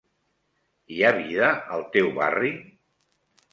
Hi ha vida al teu barri?